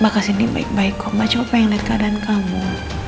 mbak kesini baik baik kok mbak coba lihat keadaan kamu